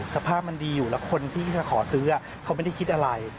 สภาพมันดีอยู่แล้วคนที่จะขอซื้อเขาไม่ได้คิดอะไร